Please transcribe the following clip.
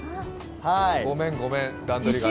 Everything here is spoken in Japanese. ごめん、ごめん、段取りが。